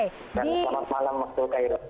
selamat malam waktu cairo